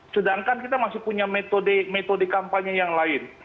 sedangkan kita masih punya metode kampanye yang lain